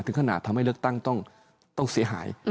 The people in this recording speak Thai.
ถึงขนาดทำให้เลือกตั้งต้องเสียหาย